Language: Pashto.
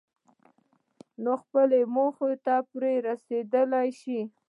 نو خپلې موخې ته پرې رسېدلای شئ.